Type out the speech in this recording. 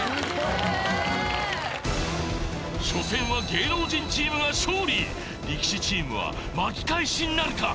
初戦は芸能人チームが勝利力士チームは巻き返しなるか？